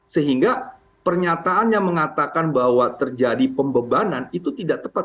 sehingga pernyataannya mengatakan bahwa terjadi pembebanan itu tidak tepat